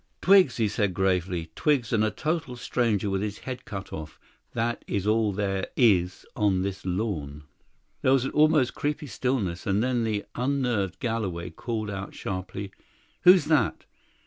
"Twigs," he said gravely; "twigs, and a total stranger with his head cut off; that is all there is on this lawn." There was an almost creepy stillness, and then the unnerved Galloway called out sharply: "Who's that!